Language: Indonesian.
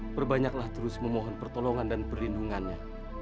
perbanyaklah terus memohon pertolongan dan perlindungannya